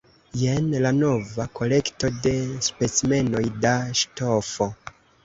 Jen la nova kolekto de specimenoj da ŝtofo.